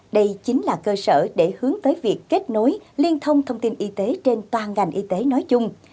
đây chính là cơ sở để hướng tới việc kết nối liên thông thông tin y tế trên toàn ngành y tế nói chung